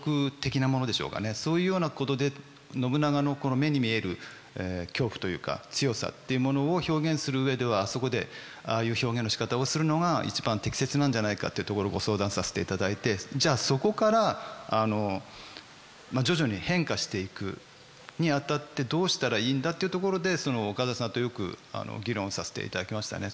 そういうようなことで信長のこの目に見える恐怖というか強さっていうものを表現する上ではあそこでああいう表現のしかたをするのが一番適切なんじゃないかってところをご相談させていただいてじゃあそこから徐々に変化していくにあたってどうしたらいいんだっていうところで岡田さんとよく議論させていただきましたね。